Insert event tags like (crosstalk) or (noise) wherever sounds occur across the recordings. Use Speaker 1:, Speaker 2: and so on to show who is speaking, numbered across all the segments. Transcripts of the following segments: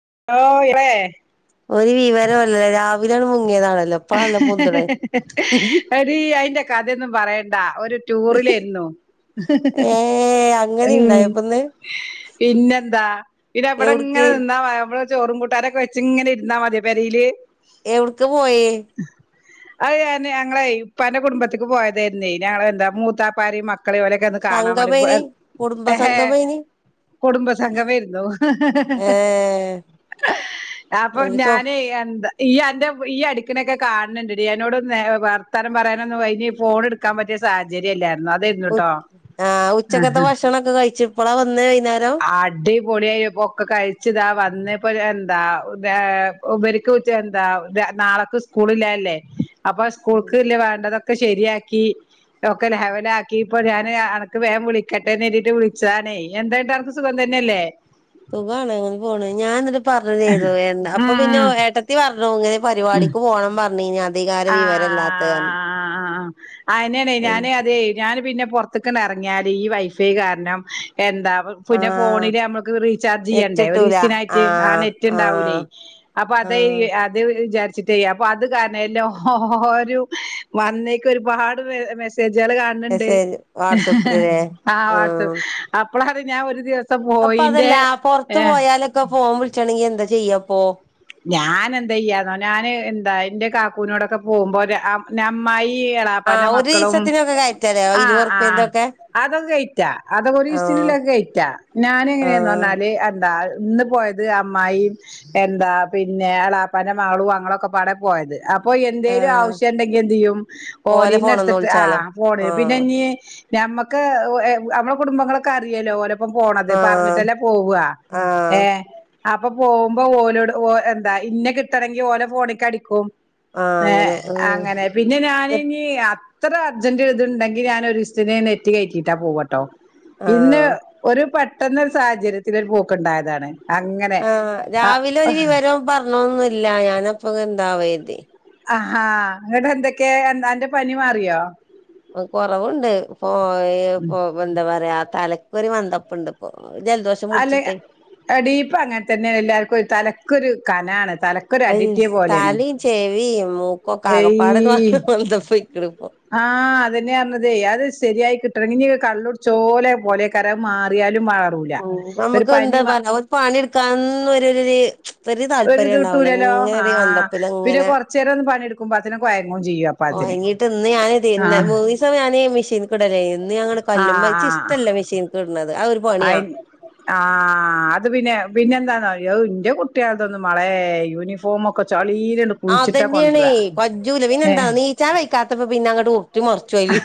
Speaker 1: (inaudible)
Speaker 2: ഒരു വിവരമല്ലല്ലോ രാവിലെയാണ് മുങ്ങിയതാണല്ലോ ഇപ്പഴാണല്ലോ പൊന്തണേ
Speaker 1: എടി അയിന്റെ കഥയൊന്നും പറയണ്ട ഒരു ടൂറി (inaudible)
Speaker 2: ഏ അങ്ങനെ ഇണ്ടായപ്പന്ന്
Speaker 1: പിന്നെ എന്താ പിന്നെ
Speaker 2: എവിടക്ക്
Speaker 1: അവിടെങ്ങനെ നിന്നാ ചോറും കൂട്ടാനുക്കെവെച്ചിങ്ങനെ ഇരുന്നാ മതിയാ പേരയില്
Speaker 2: എവിടക്ക് പോയേ
Speaker 1: അത് ഞാന് ഞങ്ങളെ ഉപ്പന്റെ കുടുംബത്തേക്ക് പോയതെന്നെ ഞങ്ങള് എന്താ മൂത്താപ്പാരി മ മക്കളെ ഇവരൊക്കെ ഒന്ന് കാണാൻ വേണ്ടി പോ
Speaker 2: സംഗമേനി
Speaker 1: ഹേ
Speaker 2: കുടുംബസംഗമേനി
Speaker 1: കുടുംബസംഗമയിരുന്നു
Speaker 2: ഏ
Speaker 1: അപ്പൊ
Speaker 2: ചോ
Speaker 1: ഞാന് എന്താ ഈ എന്റെ ഈ അടു നൊക്കെ കാണുനുണ്ടടി എന്നോട് പറഞ്ഞു നേ വർത്താനം പറയാനൊന്നും വെയ് ഇനി ഫോൺ എടുക്കാൻ പറ്റിയ സാഹചര്യല്ല
Speaker 2: ഉ ആ ഉച്ചക്കത്തെ ഭക്ഷണൊക്കെ കഴിച്ചു ഇപ്പഴാ വന്നേ
Speaker 1: അടി പൊളിയി ഒക്കെ കഴിച്ച് ദ വന്നപ്പോ എന്താ ഉപ എന്താ നാളക്ക് സ്കൂളില്ലല്ലേ അപ്പൊ സ്കൂൾക്ക് ഇല്ല വേണ്ടതൊക്കെ ശെരിയാക്കി ഒക്കെ ലെവലാക്കി ഇപ്പൊ ഞാൻ അനക്ക് വേഗം വിളിക്കട്ടെ വേണ്ടിട്ട് വിളിച്ചതണേ എന്താണ്ട സുഖം തന്നെയല്ലേ
Speaker 2: സുഖണ് അങ്ങനെ പോണ് ഞാൻ എന്നിട്ട് പറഞ്ഞത്തരുന്ന് വേണ്ട അപ്പൊ പിന്നെ
Speaker 1: ഉം
Speaker 2: ഏട്ടത്തി പറഞ്ഞു ഇങ്ങനെ
Speaker 1: ഉം
Speaker 2: പരിപാടിക്ക് പോണം പറഞ്ഞിനു അതെയകാരം വിവര ഇല്ലാത്ത
Speaker 1: ആ അയന്നെണേ ഞാന് അതെ ഞാന് പിന്നെ പോറത്തെക്കു ഇറങ്ങിയാല് ഈ വൈഫൈയി കാരണം എന്താ
Speaker 2: ആ
Speaker 1: പിന്നെ ഫോണില് നമ്മുക്ക് റീചാർജ് ചെയ്യണ്ടേ ഒരു ദിസനായിട്ട് ആ നെറ്റ്
Speaker 2: ആ
Speaker 1: ഉണ്ടാവൂലേ അപ്പൊ അത്
Speaker 2: ആ
Speaker 1: അത് വിചാരിച്ച ചിട്ടെ അപ്പ അത് കാരണേ എല്ലാരും വന്നേക്കു ഒരുപാട് വെ
Speaker 2: മെസ്സേജ്
Speaker 1: (unintelligible)
Speaker 2: വാട്സപ്പിലല്ലേ ആഹ്
Speaker 1: അപ്പോഴാണ് ഞാൻ ഒരു ദിവസ
Speaker 2: അപ്പൊ അതല്ലാ പൊറത്ത് പോയാലൊക്കെ ഫോൺ വിളിച്ചണെങ്കി എന്താ ചെയ്യാപ്പോ
Speaker 1: ഞാൻ എന്താ ചെയ്യാന്നോ ഞാന് എന്താ എന്റെ കാക്കൂവിനോടൊക്കെ പോകുമ്പോ അമ്മായി ഈ എളാപ്പാന്റെ
Speaker 2: ആഹ് ഒരു
Speaker 1: മക്കളും
Speaker 2: ദിവസത്തിനൊക്കെ കയറ്റാലോ
Speaker 1: ആ ആ
Speaker 2: ഇരുപതുറുപ്പ്യന്റെ
Speaker 1: ആ
Speaker 2: ഒക്കെ
Speaker 1: അതൊക്കെ കയറ്റാ അതൊക്കെ ഒരു
Speaker 2: ആഹ്
Speaker 1: ദിവസത്തിനുള്ളിൽ കയറ്റാ ഞാന് എങ്ങനെയന്ന്
Speaker 2: ആഹ്
Speaker 1: പറഞ്ഞാല് എന്താ ഇന്ന് പോയത് അമ്മായി എന്താ പിന്നെ എളാപ്പാന്റെ മാളും ഞങ്ങളൊക്കെ പാടെ പോയത് അപ്പൊ എന്തേലും
Speaker 2: ആഹ്
Speaker 1: ആവശ്യ ഉണ്ടെങ്കി എന്ത് ചെയ്യും
Speaker 2: ഓലെ
Speaker 1: ഒരിന്നു
Speaker 2: ഫോണ്ന്ന്
Speaker 1: എടുത്തിട്ട് ആ
Speaker 2: വിളിച്ചാലോ
Speaker 1: ഫോണ് പിന്നെ
Speaker 2: ആഹ്
Speaker 1: ഇ ഞമ്മുക്ക് നമ്മളെ കുടുംബങ്ങളൊക്കെ അറിയല്ലോ ഓല പോണത്
Speaker 2: ആഹ്
Speaker 1: പറഞ്ഞിട്ടല്ലേ പോവുവാ ഏ
Speaker 2: ആഹ്
Speaker 1: അപ്പൊ പോകുമ്പോ ഓലോട് ഓ എന്താ ഇന്നെ കിട്ടണെങ്കിൽ ഓരോ ഫോണിക്ക് അടിക്കും
Speaker 2: ആഹ്
Speaker 1: ഏ
Speaker 2: അങ്ങനെ ആഹ്
Speaker 1: അങ്ങനെ പിന്നെ ഞാന് ഇനി അ അത്ര അർജന്റ് ഇതുണ്ടെങ്കിൽ ഞാൻ ഒരു ദിവസത്തിനു നെറ്റ് കേറ്റിയിട്ട പോവുട്ടോ ഇന്ന്
Speaker 2: ആഹ്
Speaker 1: ഒരു പെട്ടെന്ന് സാഹചര്യത്തിൽ ഒരു പോക്കുണ്ടായതാണ്. അങ്ങനെ ആ
Speaker 2: എ ഒരു വിവരം പറഞ്ഞോന്നില്ല ഞാനപ്പൊ എന്താവ ഇത്.
Speaker 1: ആഹാ ങ്ങട്ട് എന്തൊക്കെ അന്റെ പനി മാറിയോ.
Speaker 2: കൊറവുണ്ട് ഇപ്പൊ ഇ എന്താ പറയാ തലക്കുരുമന്തപ്പുണ്ട് ഇപ്പൊ. ജലദോഷം
Speaker 1: അല്ലെ
Speaker 2: പിടിച്ചിട്ടേ
Speaker 1: എടിപൊഅങ്ങനെ തന്നെയ എല്ലർക്കും തലക്കൊ ഒരു കനാണ്. തലക്കൊരു
Speaker 2: ഐ
Speaker 1: അടിറ്റിയ പോലെയാണ്
Speaker 2: തലയും ചെവിയും മൂക്കൊക്കെ ആകെ പാടെ (unintelligible) കുണു.
Speaker 1: ആഹ അതന്നെയ പറഞ്ഞതേ അത് ശരിയായി കിട്ടണം ഇനി കള്ള്ട്ച്ചോ ലെ പോലെയ്കാരം മാറിയാല..
Speaker 2: ഉ നമുക്ക് എന്താ പറയാ പാണി എടുക്കാൻ ന്നും ഒര..
Speaker 1: ഒരു ഇത് കിട്ടൂലല്ലോ ആ
Speaker 2: മന്ദപ്പില്
Speaker 1: പിന്നെ
Speaker 2: ഇങ്ങനെ
Speaker 1: കുറച്ച നേരം ഒന്ന് പണിയെടുക്കുമ്പോ തിനെ കോയങ്ങും ചെയ്യും അപ്പൊ.
Speaker 2: കൊഴങ്ങിയിട്ട് ഇന്ന് ഞാന് മൂന്നിസം ഞാൻ മെഷീനിക്ക് ഇടലായിരുന്നു ഇന്ന് ഞാന്
Speaker 1: ആഹ്
Speaker 2: കല്ലുമ്മേ ഇച്ച്
Speaker 1: ആഹ്
Speaker 2: ഇഷ്ടല്ല.. ഷീൻ ക് ഇടുന്നത് അതൊരു പണിയാ.
Speaker 1: ആഹ അത് പിന്നെ പിന്നെ എന്താണോ കുട്ടിയതൊന്നും മളെ യൂണിഫോമെ ഒക്കെ.. ചളീ..
Speaker 2: ആതന്നെയാണ് കജ്ജുല പിന്നെ എന്താ
Speaker 1: ഏഹ്
Speaker 2: നോ നീച്ചാ വയ്ക്കാത്തപ്പോ പിന്നെ അങ്ങട്ട് ഉറുട്ടി മറച്ച്. ചൊയ്ല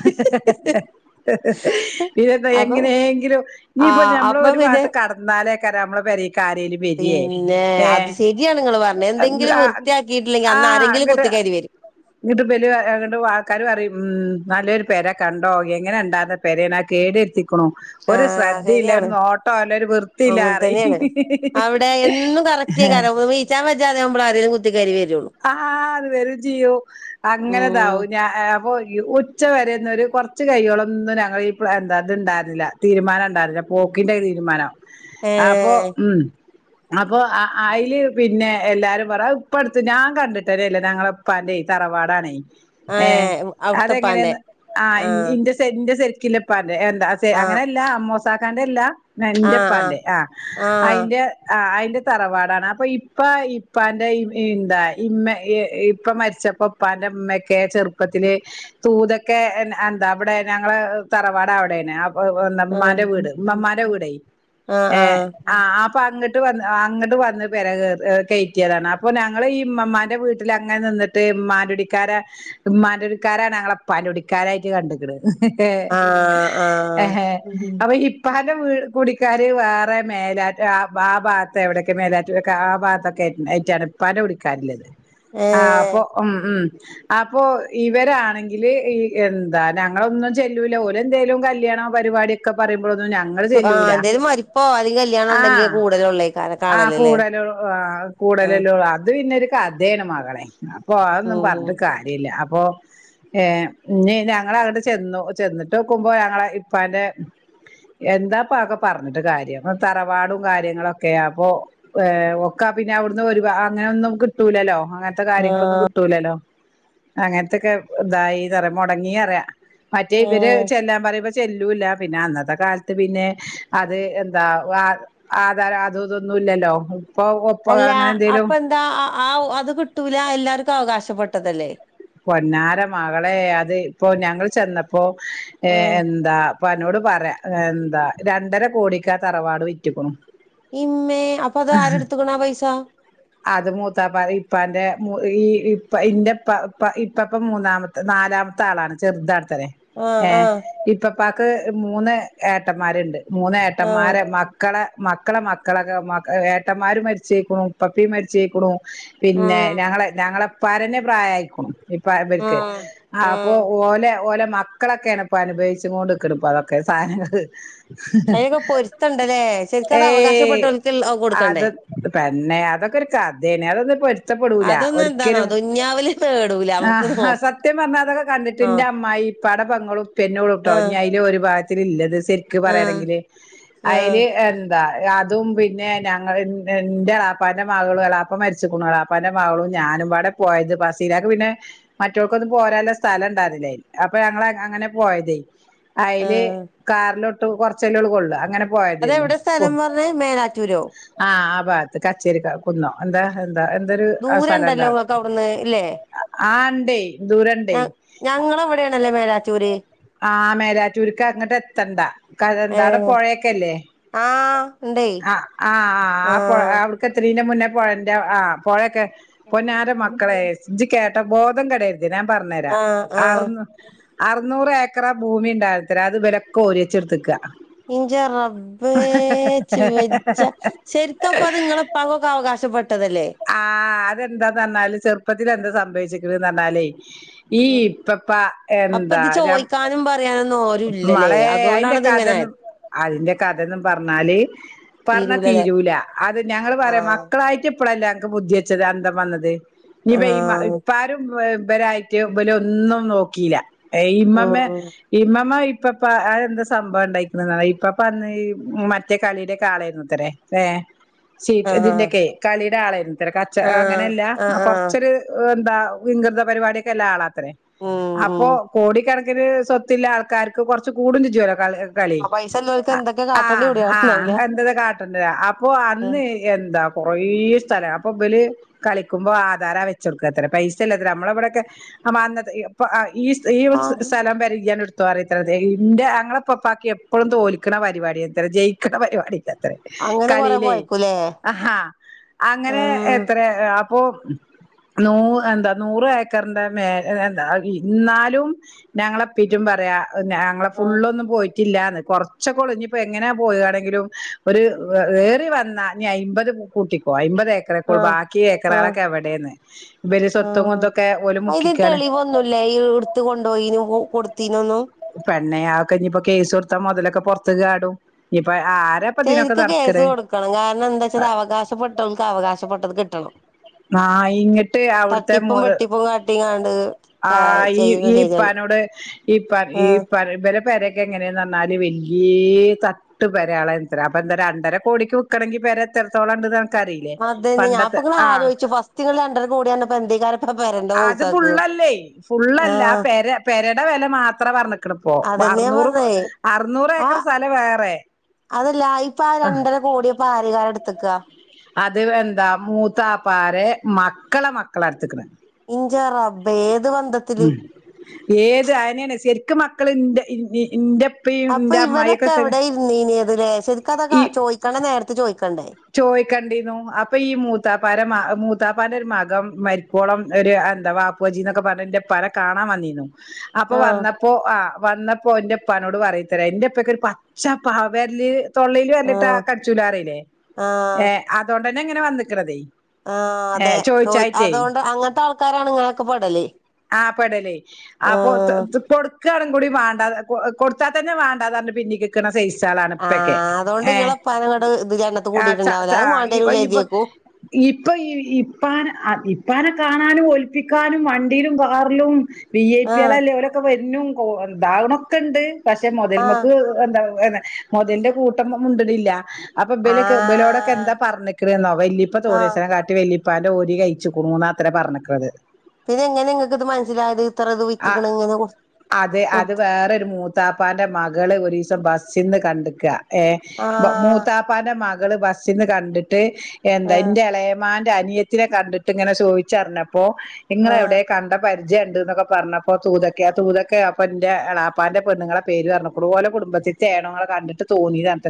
Speaker 1: പിന്നെന്താ എങ്ങനെയെങ്കിലും
Speaker 2: ആ
Speaker 1: ഇനിഇപ്പൊ
Speaker 2: അപ്പൊ
Speaker 1: ഞമ്മള്ഒരു
Speaker 2: പിന്നെ
Speaker 1: ഭാഗത്ത് കടന്നാ. ലാ കാ രം നമ്മളെ പെരിക്ക്.
Speaker 2: പിന്നെ അത് ശരിയാണ് നിങ്ങൾ പറഞ്ഞത് എന്തെങ്കിലും വൃത്തിയാക്കിയിട്ടില്ലെങ്കിൽ അന്ന് ആരെങ്കിലും കൊത്തി.. കേറിവരും.
Speaker 1: ങ്ങട്ട് ബല്‌ ആൾക്കാരും പറിയും ഉം നല്ലൊരു പെര കണ്ടോ എങ്ങനെ ഉണ്ടായിരുന്ന പെരാണ് അത് കേട് രുതി. ണ് ഒരു
Speaker 2: ആഹ്
Speaker 1: ശ്രദ്ധയില്ല ഒരു
Speaker 2: ശരിയാണ്
Speaker 1: നോട്ടം ഇല്ല ഒരു
Speaker 2: അങ്ങനെ
Speaker 1: വൃത്തിയില്ലറി.
Speaker 2: തന്നെയാണ് അവിടെ എന്നും കറക്റ്റ് ആകാരംനിച്ചാൻ വച്ചാതെ ആകുമ്പോൾ ആരെങ്കിലും കുത്തി കയറി വരുയുള്ളൂ.
Speaker 1: ആ അത് വരും ചെയ്യും
Speaker 2: ഉം
Speaker 1: അങ്ങനെതാവും ഞാ. അപ്പൊ ഉച്ചവരെന്ന ഒരു കൊറച്ച് കയ്യോളംന്നും ഞങ്ങൾ എന്താത് ഉണ്ടായിരുന്നില്ല തീരുമാനം ഉണ്ടായിരുന്നില്ല. പോക്കിന്റെ തീരുമാനം. അപ്പൊ
Speaker 2: ഏഹ്
Speaker 1: ഉം അപ്പൊ അതില് പിന്നെ എല്ലാരും പറ ഇപ്പടു. ഞാൻ കണ്ടിട്ടേ ഇല്ല ഞങ്ങളെപ്പാന്റെതറവാടാനേ.. ഏ
Speaker 2: ഏഹ്
Speaker 1: അതെങ്ങനെയ
Speaker 2: അവിടുത്തെപ്പാന്റെ
Speaker 1: ആ
Speaker 2: ആഹ്
Speaker 1: ഇന്റെ ശരിക്കില്ലപ്പാന്റെ എന്താ
Speaker 2: ആഹ്
Speaker 1: അങ്ങനല്ല അ മോസാക്കാന്റെ അല്ല.
Speaker 2: ആഹ് ആഹ്
Speaker 1: ന്റെപ്പാന്റെ ആ അയി ന്റെആ അ.. തറവാടാണ് അപ്പൊ ഇപ്പ ഇപ്പന്റെ. എന്താ ഇമ്മ ഇപ്പ മരിച്ചപ്പോ ഉപ്പാന്റെഇമ്മൊക്കെ ചെറുപ്പത്തിൽ തൂതൊക്കെ.. എന്താ അവിടെ ഞങ്ങള് തറവാട് അവിടെണ്.
Speaker 2: ആഹ്
Speaker 1: ഉമ്മാന്റെ വീട് ഇമ്മമ്മ ന്റെവീട്
Speaker 2: ആഹ്
Speaker 1: ഏ
Speaker 2: ആഹ്
Speaker 1: അപാ അങ്ങട്ട് ക്. അങ്ങോട്ട് വന്ന് പെര കയറ്റിയതാണ്. അപ്പൊ ഞങ്ങള് ഈ മമ്മാന്റെ വീട്ടിൽ അങ്ങനെ നിന്നിട്ട് ഇമ്മാന്റെ കു ടിക്കാരാണ് ഞങ്ങളെപ്പോ.. കുടിക്കാർആയിട്ട്കണ്ട് ക്ണ്
Speaker 2: ആഹ്
Speaker 1: ഹ്
Speaker 2: ആഹ്
Speaker 1: ഹ് എ അപാഇപ്പാ.. ന്റെ കുടിക്കാര് വേറെ മേലാ ആ ഭാത്ത് എവിടൊക്കെ മേലാറ്റൂറ്ആ ഭാഗത്തൊക്കെ.. ഏറ്റാണ് ഉപ്പാന്റെ കുടിക്കാറില്ലത് അ അപ്പൊ
Speaker 2: ഏഹ്
Speaker 1: ഉ ഉ. അപ്പൊ ഇവരാണെങ്കില് ഈ എന്താ ഞങ്ങളൊന്നും ചെല്ലൂല ഓ ല് എന്തേങ്കലും കല്യാണം പരിപടടിൊക്കെ പറയ.. ഞങ്ങ
Speaker 2: ആഹ്
Speaker 1: ചെല്ലൂല
Speaker 2: എന്തേലും മരിപ്പോ അല്ലെങ്കിൽ കല്യാണം
Speaker 1: ആ
Speaker 2: ഉണ്ടെങ്കിൽ കൂടലുള്ളേക്കാരം
Speaker 1: ആ
Speaker 2: കാണലല്ലേ
Speaker 1: കൂടലോ. ആ
Speaker 2: ആഹ്
Speaker 1: കൂടലല്ലോ അത്. പിന്നൊരു കഥയാണ് മകളെ അപ്പോൾ അതൊന്നും
Speaker 2: ഉം
Speaker 1: പറഞ്ഞിട്ട് കാര്യമില്ല അപ്പോ.. ഏർ ഇനി ഞങ്ങ ൾഅങ്ങട്ട് ചെന്നു ചെന്നിട്ട് നോക്കുമ്പോ ഞങ്ങള ഇപ്പ എന്റ എന്താപ്പ ഒക്കെ പറഞ്ഞിട്ട് കാര്യം തറവാടും കാര്യങ്ങളുക്കെയാ അപ്പൊ ഏ ഒക്ക.. പിന്നെ അവിടുന്ന് ഒരു അങ്ങനെൊന്നും കിട്ടൂലല്ലോ അങ്ങനത്തെ കാര്യങ്ങളൊന്നും കിട്ടൂലല്ലോ.. അങ്ങനത്തൊക്കെ ഇതായിന്ന്റ മുടങ്ങി അറിയ മറ്റേ ഇവര്
Speaker 2: ഏഹ്
Speaker 1: ചെല്ലാൻ പറുമ്പ.. ചെല്ലൂല്ല പിന്നെ അന്നത്തെ കാലത്ത് പിന്നെ അത് എന്താ വാ ആധാരം അതു ഇതൊന്നു തുല്ലല്ലോ ഉപ്പൊ കോപ്പോ അങ്ങനെ എന്തേലും
Speaker 2: ന്ത ആ ആ അവു അതു കിട്ടൂല എല്ലാവർക്കും അവകാശപ്പെട്ടതല്ലേ?
Speaker 1: പൊന്നാര മകളെ അത് ഇപ്പോ ഞങ്ങൾ ചെന്നപ്പോ ഏ
Speaker 2: ആഹ്
Speaker 1: എന്താ അപ്പൊ അന്നോട് പറയാ എന്താ രണ്ടര കോടിക്കാ തറവാട് വിറ്റിക്കുണു.
Speaker 2: ഇമ്മേ അപ്പൊ അത് ആരെടുത്തുക്കണ ആ പൈസ
Speaker 1: അത് മൂത്താപ്പ ഇപ്പാന്റെ മു ഈ ഇപ്പ ഇന്റെ ഇ ഇപ്പ ഇപ്പപ്പ മൂന്നാമത്തെ നാലാമത്തെ ആളാണ് ചെറുതാണ്. ഇത്രേ
Speaker 2: ആഹ്
Speaker 1: ഏ
Speaker 2: ആഹ്
Speaker 1: ഇപ്പാപ്പാക്ക് മൂന്ന് ഏട്ടന്മാര്ണ്ട്. മൂന്ന്
Speaker 2: ആഹ്
Speaker 1: ഏട്ടന്മാരെ മക്കളെ. മക്കളെ മക്കളൊക്കെ മ ഏട്ടന്മാര് മരിച്ചേക്കണും ഇപ്പപ്പി മരിച്ച് പൊയ്ക്ക് ണു. പിന്നെ
Speaker 2: ആഹ്
Speaker 1: ഞങ്ങള് ഞങ്ങളെപ്പാരന്നെ പ്രായയ്ക്ക് ഇപ്പ ഇബല്ക്ക്
Speaker 2: ആഹ്
Speaker 1: അപ്പൊ
Speaker 2: ആഹ്
Speaker 1: ഓലെ ഓലെ മക്കളൊക്കെയാണ്പ്പൊ അനുഭവിച്ച് കൊണ്ട്ണ ഇപ്പൊ അതൊക്കെ സാധനങ്ങങ്ങള്
Speaker 2: അതിനൊക്കെ പൊരുത്തണ്ടല്ലേ ശരിക്കും
Speaker 1: ഏ
Speaker 2: അത് അവകാശപ്പെട്ടവർക്ക്
Speaker 1: അത്
Speaker 2: കൊടുക്കണ്ടേ
Speaker 1: പെണ്ണെ അത് അതൊക്കെ ഒരു കഥേണ് അതൊന്നും പൊരുത്തപ്പെടൂല
Speaker 2: അതൊന്നും എന്താന്നോ
Speaker 1: ഒരിക്കലും.
Speaker 2: ദുന്യാവില് നേടൂല നമുക്ക് നോ
Speaker 1: ആഹ് സത്യം പറഞ്ഞാതൊക്കെ കണ്ടിട്ട് എന്റെ
Speaker 2: ആഹ്
Speaker 1: അമ്മായി ഇപ്പടെ പങ്ങളും പിന്നൊള്ളൂട്ടോ
Speaker 2: ആഹ്
Speaker 1: ഇനി അതില് ഒരു ഭാഗത്തി ഇല്ലത് സെരിക്കും
Speaker 2: ആഹ്
Speaker 1: പറയാണെങ്കില് അതിൽ
Speaker 2: ആഹ്
Speaker 1: അതും പിന്നെ ഞങ്ങൾ എന്റെ എളാപ്പാന്റെ മകളും എളാപ്പ മരിചക്കണ് എളാപ്പാന്റെ മകളും ഞാനുംബടെ പോയത് ഫസ് ചിലക്ക് പിന്നെ മററ്റോക്കൊന്നും പോരാനുള്ള സ്ഥലം ഇണ്ടായിന്നില്ലേ അപ്പൊ ഞങ്ങ അങ്ങനെ പോയതേ അയ്ല്
Speaker 2: ആഹ്
Speaker 1: കാറിലോട്ട് കൊറച്ചല്ലേ ഒള്ളു കൊള്ള അങ്ങനെ പോയതീര്ന്നു
Speaker 2: അതെവിടെ സ്ഥലം പറഞ്ഞേ മേലാറ്റൂരോ
Speaker 1: ആ ആ ഭാത്ത് കച്ചേരിക്കുന്നോ എന്താ എന്താ എന്തൊരു അ
Speaker 2: ദൂരം
Speaker 1: സ്ഥലം
Speaker 2: ഉണ്ടല്ലോ നിങ്ങൾക്ക്
Speaker 1: ഇണ്ടായിരുന്നു
Speaker 2: അവിടുന്ന് ഇല്ലേ
Speaker 1: ആ ഇണ്ടേയ്
Speaker 2: ഞ
Speaker 1: ദൂരണ്ടേയ്.
Speaker 2: ഞങ്ങളെ ഇവിടെയാണല്ലേ മേലാറ്റൂര്
Speaker 1: ആ മേലാറ്റൂർ അങ്ങട്ട് എത്തണ്ട കരുവന്താടം
Speaker 2: ഏഹ്
Speaker 1: പൊഴക്കെല്ലേ?
Speaker 2: ആഹ് ഉണ്ടേ
Speaker 1: ആ ആഹ് ആ അപ്പൊ അവിട്ക്കെതിണീന്റെ മുന്നേ. പൊയന്റെ ആ പോയൊക്കെ പൊന്നാര മക്കളെ ഇജ്ജ് കേട്ടോ ബോധം കെടരുത്. ത് നൻ പറഞ്ഞെര
Speaker 2: ആ
Speaker 1: അർ അർനൂർ ഏക്ക ക്ക്റ ഭൂമി ഇണ്ടായിരുന്നുത്ര അത് ഇവലൊക്കെ ഓരിച്ച് ഇടത്ക്കാ.
Speaker 2: ഇഞ്ച റബ്ബേ ഇച്ച് വെജജ ശെരിക്കപ്പോ അത് നിങ്ങളെ ഇപ്പക്കൊക്കെ അവകാ ഷപ്പെട്ടതല്ലേ?
Speaker 1: ആ അതെന്താ ന്ന് പറഞ്ഞാൽ ചെറുപ്പത്തിൽ എന്താ സംഭവിചെ ഇത് എന്ന് പറഞ്ഞാലെയ് ഈ
Speaker 2: ഉം.
Speaker 1: ഇപ്പപ്പ എന്താ ഞമ്മ
Speaker 2: റ്റം പറയാനൊന്നും ഓരു ഇല്ലല്ലേ
Speaker 1: അയിന്റെ
Speaker 2: അതുകൊണ്ടാണിത് ഇങ്ങനെ
Speaker 1: കഥന്നും
Speaker 2: ആയത്.
Speaker 1: അതിന്റെ കഥോന്നും പറഞ്ഞാല് പറഞ്ഞ
Speaker 2: തീരൂലല്ലേ
Speaker 1: തീരൂല അത് ഞങ്ങൾ
Speaker 2: ആ
Speaker 1: പറയും മക്കളായിട്ട് ഇപ്പളല്ലേ അങ്ങക്ക് ബുദ്ധി വെച്ചത് അന്തം വന്നത്
Speaker 2: ആ
Speaker 1: ഇനിപ്പോ ഇമ്മ ഇപ്പാരും ഇവരായിട്ട് ഇവല് ഒന്നും നോക്കീല ഏ ഇമ്മമ്മ
Speaker 2: ഉം
Speaker 1: ഇമ്മമ്മ ഇപ്പപ്പ അ എന്താ സംഭവം ഇണ്ടയ്ക്ക്ണ്ന്നോ ഇപ്പപ്പ അന്ന് ഈ മറ്റേ കളിയുടെ ഒക്കെ ആളായിരുന്നുത്രെ. വെ വേ ചീട്ട്
Speaker 2: ആ
Speaker 1: ഇതിന്റെക്കെ കളിയുടെ ആളായിരുന്നത്രേ
Speaker 2: ആ
Speaker 1: കാച്ചറ അങ്ങനെയല്ല ആ കൊർച്ചൊരു എ അ വിംകൃത പരിപാടിയൊക്കെല്ല ആളത്രേ
Speaker 2: ഉം ഉം
Speaker 1: അപ്പോ കോടിക്കണക്കിന് സ്വത്തില്ല ആൾക്കാർക്ക് കൊറച്ച് കൂടും ചിജ്ജോലോ
Speaker 2: അപൈസ
Speaker 1: അ ആഹ് ആഹ എന്താ കാട്ടണ്ടെരോ അപ്പൊ അന്ന് എന്താ കൊറേ സ്ഥലാ അപ്പൊ ഇവല് കളിക്കുമ്പോ ആധാരാ വെച്ച് കൊടുക്കാത്രേ പൈസ ഇല്ലാത്രേ നമ്മളെവിടെക്കെ അമാത് ഇ പ്പോ അ ഈ ഈ
Speaker 2: ആ
Speaker 1: സ്ഥലോം പേരിം ഇയ്യത് ഇടത്തോ പറിംത്രെ ഇന്റെ ഞ ങ്ങളെ ഇപ്പാപ്പാക്ക് എപ്പോഴും തോൽക്ക് ണ പരിപാടിയത്രേ ജയിക്ക്ണ പരിപാടിയ
Speaker 2: അങ്ങനെ കൊറെ
Speaker 1: കളീലേയ്യ്
Speaker 2: പോയക്കൂലേ
Speaker 1: അഹാ
Speaker 2: ആ
Speaker 1: അങ്ങനെ എത്ര അ ഓഹ് നൂ എന്താ നൂറ് ഏക്കറിന്റെ മേലെ എന്താതി ന്നാലും ഞങ്ങളെ പറയാ ഞങ്ങളെ
Speaker 2: ആ
Speaker 1: ഫുള്ള് ഒന്നും പോയിട്ടില്ല ല്ലന്ന് കൊറച്ചക്കളു ഇനിപ്പോ എങ്ങനെയാ ഏറി വന്നാ അയ്ബദ് കൂട്ടിക്കോ അയ്ബദ്
Speaker 2: ആ ആ
Speaker 1: ബാക്കിഏക്കറളൊക്കെ എവിടെന്ന് ഇവര് സ്വത്തും മുക്കിക്കാണ്.
Speaker 2: ല്ല ഇടുത്ത കൊണ്ടോയി കൊടുത്തീനൊന്ന്
Speaker 1: പെണ്ണെ ആക്കെ ഇനിയിപ്പ കേസ് കൊടുത്താ മുതലൊക്കെ പുറത്ത ചാടും ഇന്നിപ്പ
Speaker 2: ശരിക്കും കേസ് കൊടുക്കണം കാരണം എന്താച്ചാത് അവകാശപ്പെട്ടവർക്ക് അവകാശപ്പെട്ടത് കിട്ടണം.
Speaker 1: ആ ഇങ്ങിട്ട് അവിടുത്തെ മു
Speaker 2: തട്ടിപ്പും വെട്ടിപ്പും കാട്ടിങ്ങാണ്ട്
Speaker 1: ആ
Speaker 2: ചെയ്യുന്ന
Speaker 1: ഈ
Speaker 2: ചെയ്താൽ
Speaker 1: ഇപ്പാനോട്
Speaker 2: ആ
Speaker 1: (unintelligible) പെരക്കെ എങ്ങറെനാൽ വല്യാ തട്ട് പെരളനി അപ്പോ രണ്ടര കോടിക്ക് വിക്കണം പേരെ എത്ര തേളം ഉണ്ട് ഇങ്ങക്ക്ക്കറിയില്ലേ
Speaker 2: അതന്നെ ഞാൻ ഇപ്പൊ
Speaker 1: പണ്ടത്തെ
Speaker 2: ഇങ്ങനെ
Speaker 1: ആഹ്.
Speaker 2: ആലോചിച്ചു ഫസ്റ്റ് നിങ്ങൾ രണ്ടര കോടി പറഞ്ഞപ്പോ എന്തേക്കാരം ഇപ്പൊ പെരന്റെ
Speaker 1: അത്
Speaker 2: ഹൗസാക്ക്
Speaker 1: ഫുള്ളല്ലേ
Speaker 2: ആ
Speaker 1: ഫുള്ളല്ല പെര പെരാ വില മാത്രേ പറഞ്ഞക്കണപ്പോ
Speaker 2: അതന്നെ ഞാൻ
Speaker 1: അറനൂറ്
Speaker 2: പറഞ്ഞേ
Speaker 1: അറനൂറ് ഏക്കർ സ്ഥലം വേറെ
Speaker 2: അതല്ലാ ഇപ്പൊ ആ രണ്ടര കോടിയപ്പ ആരയക്കാരം എടുത്തക്ക.
Speaker 1: അത് എന്താ മൂത്താപ്പാരെ. മക്കളെ മക്കളെ എടുത്ത്ക്കണാ
Speaker 2: ഇഞ്ച റബ്ബ് ഏത് ബന്ധത്തില്
Speaker 1: ഉ ഏത് അയനാ ശ മക്കള് ഇന്റെ
Speaker 2: അപ്പൊ ഇവലൊക്കെ
Speaker 1: അമ്മായിയൊക്കെ
Speaker 2: എവിടെ ഇരുന്നിനിയതലേ ശരിക്കതൊക്കെ ചോദിക്കണ്ടേ നേരത്തെ ചേദിക്കണ്ടെ,
Speaker 1: ചോയ്ക്കണ്ടിനു അപ്പൊ ഈ മൂത്താപ്പാർ മൂത്താപ്പാന്റെ ഒരുമകൻ മരിക്കോളം ഒരു എന്താവാപ്പുജിന്നൊക്കെ പറഞ്ഞന്റെ പാനെകാണാൻവന്നിന്നു. അപ്പൊ
Speaker 2: ആ
Speaker 1: വന്നപ്പോ ആ വന്നപ്പോ എന്റെ. അപ്പാനോട് പറയുത്ര എറ അപ്പക്കെ ഒരു പച്ചവാണ് തൊള്ളിൽ വരല്ലിട്ടാ
Speaker 2: ആഹ്
Speaker 1: കടിച്ചൂലാറില്ലേ ഏ അതുകൊണ്ടന്നെ ഇങ്ങനെ വന്നിക്കണ.
Speaker 2: ആ അതെ ചോ അതുകൊണ്ട് അങ്ങനത്തെ ആൾക്കാരാണ് ഇങ്ങനൊക്കെ പോടല്
Speaker 1: ആ പടല് അപ്പൊ കൊടു കൂടി വേണ്ടാ കൊടുത്താൽ തന്നെ വേണ്ടാതണ്ട് പിന്നീ സ്ലൈള, ഇപ്പൊക്കെ
Speaker 2: ആഹ് അതോണ്ട്
Speaker 1: ഹെ
Speaker 2: ഇങ്ങളെപ്പാനങ്ങട്ട് ഇത് ജന്നത്ത് കൂട്ടിയിട്ടുണ്ടാവൂല അത് വാണ്ടിരൂല ഇജ്ജേക്കും
Speaker 1: ഇപ്പൊ ഇപ്പാന ഇപ്പാനെ കാണാനും ഒൽപ്പിക്കാനും വണ്ടിയിലും കാറിലും ബി ഐ പി
Speaker 2: ആഹ്
Speaker 1: ആളല്ല അവരൊക്കെ വരുന്നു എന്താ വരുന്നക്കെ ഉണ്ട് പക്ഷെ
Speaker 2: ആഹ്
Speaker 1: മുതൽമക്ക് എന്താ മുതലിന്റെ കൂട്ടം മുണ്ടിനില്ല അപ്പൊ ഇബല് ഇബലോടൊക്കെ
Speaker 2: ആഹ്
Speaker 1: എന്താ പറഞ്ഞിക്കണെന്നോ വല്യ
Speaker 2: ആഹ്
Speaker 1: നെ കാട്ടി വലിപ്പാന്റെ ഓരി കഴിച്ചുങ്ങൂ ണു. എന്നാ പറഞ്ഞിക്കുണു.
Speaker 2: പിന്നെ എങ്ങനെ നിങ്ങക്ക് ഇത് മനസ്സിലായത് ഇത്ര ഇത് വിറ്റിക്കണ ഇങ്ങനെ
Speaker 1: അതെ അത്
Speaker 2: കൊടുത്ത്
Speaker 1: വേറരു മൂത്താപ്പാന്റെ മകള് ഒരു ദിവസം ബസ്ന്, കണ്ടക്ക ഏ
Speaker 2: ആഹ്
Speaker 1: മൂത്താപ്പാന്റെ മകള് ബസിൽന്ന് കണ്ടിട്ട്.
Speaker 2: ആഹ്
Speaker 1: ന്റെ ഇളയമാന്റെ അനിയത്തിനെ കണ്ടിട്ട് ഇങ്ങനെ ചോദിച്ചറിഞ്ഞപ്പോ നിങ്ങളെ എവിടെ
Speaker 2: ആഹ്
Speaker 1: കണ്ട പര (inaudible) പറഞ്ഞപ്പോ. തൂതക്ക അപ്പ എ ളപ്പാന്റെ പെണ്ങ്ങള പേര് പറഞ്ഞപ്പോ (unintelligible) ണങ്ങളെകണ്ടിട്ട്തോന്നിയത്,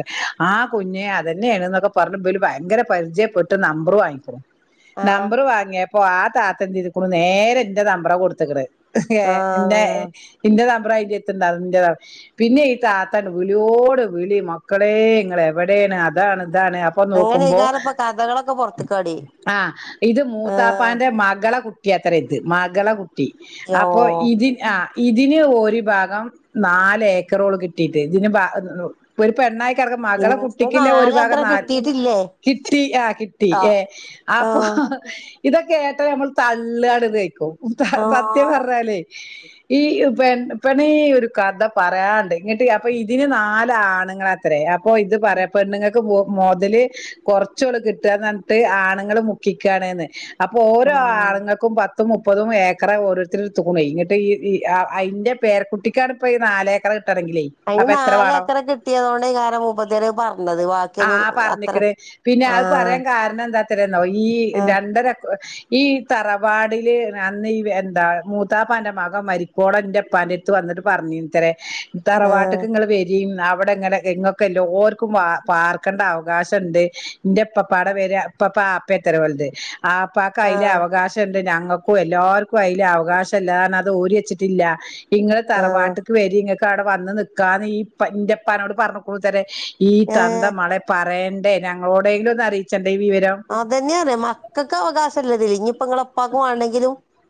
Speaker 1: ആകുഞ്ഞെ അതന്നെയണ എന്നൊക്കെ പറഞ്ഞ ഭയങ്കര പരിചയപ്പെട്ട ട്ട്, നമ്പർ വാങ്ങിക്ക്ണ്,
Speaker 2: ആഹ്
Speaker 1: നമ്പർ വാങ്ങിയ അപ്പൊ ആ താത്ത എന്തയ്ദ്ക്ക്ണ്. നേരെന്റെ, നമ്പറ കൊടുത്തക്കണ ഏ, ന്ന,
Speaker 2: ആഹ്
Speaker 1: ന്റെ ന പ്പം അയ്ന്റെര്ത്, ന്റെ പിന്നെ ഈ തത്താൻ വിളിയോട് വിളി മക്കളെങ്ങ എവിടെ അതാണ് ഇതാണ് അപ്പൊ നോക്കുമ്പോ.
Speaker 2: അങ്ങനെയ്ക്കാരപ്പ കഥകളൊക്കെ പൊറത്ത്ക്കാടി
Speaker 1: ആഹ. ഇത്
Speaker 2: ആഹ്
Speaker 1: മൂത്താപ്പാന്റെ മകള കുട്ടി അത്ര ഇത് മകള കു
Speaker 2: യോ
Speaker 1: അപ്പോ ഇതി ആ ഇതി. ഇതിന് ഒരി ഭാഗം നാല് ഏക്കറോ കിട്ടിയിട്ട് ഇതിന് ബാ ഒരു പണായി കാർക്ക് മകളെ
Speaker 2: ഇന്ന്
Speaker 1: ളകുട്ടിക്കില്ല ഒരു ഭാഗം
Speaker 2: നാലേക്കറെ
Speaker 1: നാല്
Speaker 2: കിട്ടീട്ടില്ലേ
Speaker 1: കിട്ടി ആ കി
Speaker 2: ആഹ്
Speaker 1: ഏ. അപ്പൊ
Speaker 2: ആഹ്
Speaker 1: ഇതൊക്കെ കേട്ടാ നമ്മൾ തള്ളാണ്യ്ക്കും. സത്യം
Speaker 2: ആഹ്
Speaker 1: പർഞ്ഞാലെ. ഈ പെൺ പെണീ ഒരു കഥ പറയാണ്ട്. ഇങ്ങിട്ട് അപ്പൊ ഇതിന് നാാല ആണുങ്ങളത്രേ. അപ്പൊ. ഇത്
Speaker 2: ഉം
Speaker 1: പറയാപണ്ണുങ്ങൾക്ക് മുതല്, കൊറച്ചുടെ കി ഞ്ഞിട്ട് ആണുങ്ങൾ മുക്കികാണ്ന്. അപ്പോ, ഓരഅണുങ്ങക്കും, പ പത്തും മുപ്പതും ഏക്കറ് ഓരോരുത്തരു എടുത്ത്ക്ക്ണേയ് ന്നട്ട് ഈ അതിന്റെ പേരക്കുട്ടിക്കാണ് ഇപ്പൊ ഈ നാല് ഏക്കാർ
Speaker 2: അതിന് നാല് എക്കറ് കിട്ടിയതുകൊണ്ട്കാരം മുപ്പത്തിയാര് പറഞ്ഞത് ബാക്കിയൊന്ന്
Speaker 1: ആഹ്
Speaker 2: അത്ര
Speaker 1: പറഞ്ഞിക്കണ് പിന്നെ അത്
Speaker 2: ആഹ്
Speaker 1: പറയാൻ കാരണം എന്താ തരെന്നോ ഈ
Speaker 2: ആഹ്
Speaker 1: രണ്ടര ഈ തറവാടില് അന്ന് ഈ എന്താ മൂത്താപ്പാന്റെ മകൻ മാരിക്കോളും ന്റെ ഉപ്പാന്റെടത് വന്ന് എന്നിട്ട് പറഞ്ഞിന്നത്രെ
Speaker 2: ആഹ്
Speaker 1: തറവാട്ടിക്ക് ഇങ്ങള് വരിം ന്നാ ഇവിടെ ഇങ്ങനെ ഇങ്ങക്ക് എല്ലാർക്കും വ പ പാർക്കണ്ടാവും അവകാശണ്ട് ഇന്റെ ഇപ്പപ്പാടെ പേര് ഇപ്പപ്പാ അപ്പ ആത്രേ ഒലത് ആപ്പാക്ക് അതില്
Speaker 2: ആഹ്
Speaker 1: അവകാശം ഉണ്ട് ഞങ്ങക്കും എല്ലാർക്കും അതിൽ അവകാശണ്ടന്ന് പറഞ് അത് ഒരി വെച്ചിട്ടില്ല ഇങ്ങള്
Speaker 2: ആഹ്
Speaker 1: തറവാട്ടക്ക് വേരി ഇങ്ങക്ക് അവിടെ വന്ന് നിക്കാന്ന് ഈ ഇപ്പ ന്റെപ്പാനോട് പറഞ്ഞക്ക്ണത്രേ ഈ തന്ത
Speaker 2: ഏഹ്
Speaker 1: മളെ പറയേണ്ടേ ഞങ്ങളോടെങ്കിലും ഒന്ന് അറിയിക്കണ്ടേ
Speaker 2: അതന്നെയാണ് മക്കൾക്ക് അവകാശ ഇല്ലതി ഇനിയിപ്പ ഇങ്ങളെ ഉപ്പാക്ക് വേണ്ടങ്കിലും